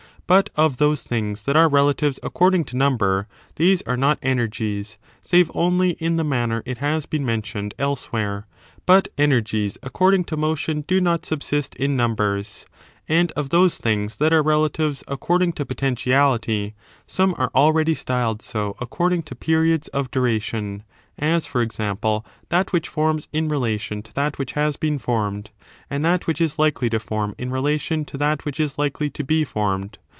But of those things that are relatives according to number, these are not energies, save only in the manner it has been mentioned elsewhere ; but energies according to motion do not subsist in numbers. And of those things that are relatives according to potentiality, some are already styled so according to j)eriods of duration; as, for example, that which forms in Halation to that which has been formed, and that which is CH. XV.] RELATION DEFINED. 141 likely to form in relation to that which is likely to be formed.